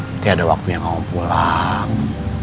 nanti ada waktu yang kamu pulang